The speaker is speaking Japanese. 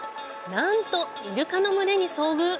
なんとイルカの群れに遭遇！